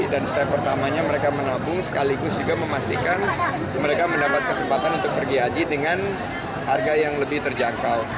dan step pertamanya mereka menabung sekaligus juga memastikan mereka mendapat kesempatan untuk pergi haji dengan harga yang lebih terjangkau